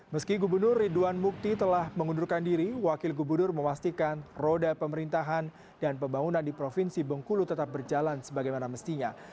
meski gubernur ridwan mukti telah mengundurkan diri wakil gubernur memastikan roda pemerintahan dan pembangunan di provinsi bengkulu tetap berjalan sebagaimana mestinya